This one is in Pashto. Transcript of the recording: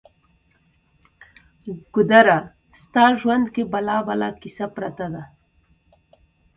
ګودره! ستا ژوند کې بلا بلا کیسه پرته ده